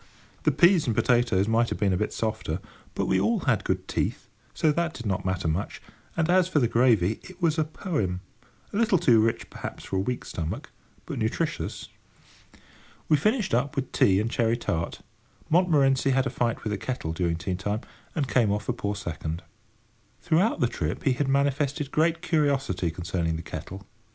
The peas and potatoes might have been a bit softer, but we all had good teeth, so that did not matter much: and as for the gravy, it was a poem—a little too rich, perhaps, for a weak stomach, but nutritious. We finished up with tea and cherry tart. Montmorency had a fight with the kettle during tea time, and came off a poor second. Throughout the trip, he had manifested great curiosity concerning the kettle.